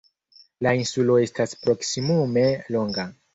La insulo estas proksimume longa.